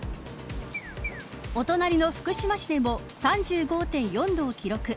お隣の福島市でも３５．４度を記録。